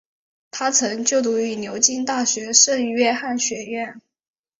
他曾就读于牛津大学圣约翰学院。